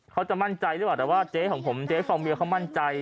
เขาจะมั่นใจหรือเปล่าแต่ว่าเจ๊ของผมเจ๊ฟองเมียเขามั่นใจ